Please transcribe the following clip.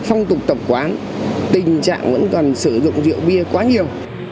phong tục tập quán tình trạng vẫn còn sử dụng rượu bia quá nhiều